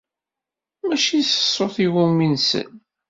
Mačči s ṣṣut iwumi i nsell.